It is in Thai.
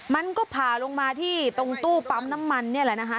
มันก็ผ่าลงมาที่ตรงตู้ปั๊มน้ำมันนี่แหละนะคะ